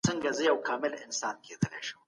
نوش جان دي سه زما غوښي نوشوه یې